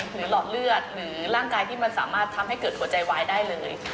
หลอดเลือดหรือร่างกายที่มันสามารถทำให้เกิดหัวใจวายได้เลย